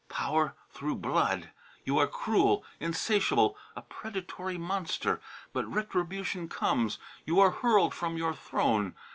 Power through blood! You are cruel, insatiable, a predatory monster. But retribution comes. You are hurled from your throne.